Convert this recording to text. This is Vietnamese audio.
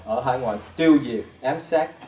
ở hải ngoại tiêu diệt ám sát